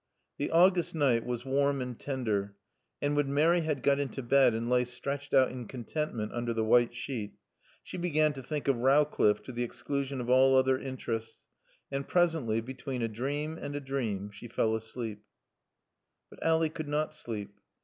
The August night was warm and tender, and, when Mary had got into bed and lay stretched out in contentment under the white sheet, she began to think of Rowcliffe to the exclusion of all other interests; and presently, between a dream and a dream, she fell asleep. But Ally could not sleep.